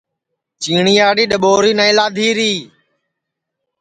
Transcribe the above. چیٹِؔیاڑی ڈؔٻوری نائی لادھی ری